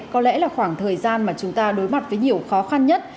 có lẽ là khoảng thời gian mà chúng ta đối mặt với nhiều khó khăn nhất